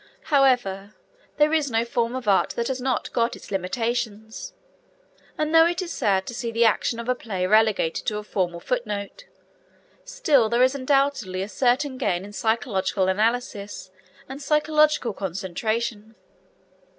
However, there is no form of art that has not got its limitations, and though it is sad to see the action of a play relegated to a formal footnote, still there is undoubtedly a certain gain in psychological analysis and psychological concentration.